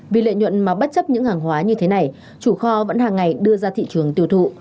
vì lợi nhuận mà bất chấp những hàng hóa như thế này chủ kho vẫn hàng ngày đưa ra thị trường tiêu thụ